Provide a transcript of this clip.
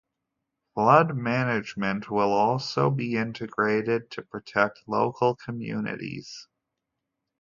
Flood management will also be integrated to protect local communities.